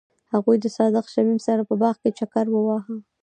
هغوی د صادق شمیم سره په باغ کې چکر وواهه.